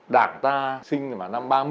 đảng ta sinh vào năm ba mươi